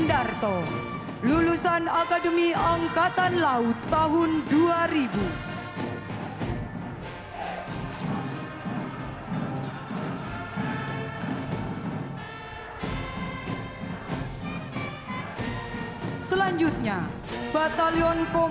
beawi macu terhadap any regions of the bandan kabupaten yang praktis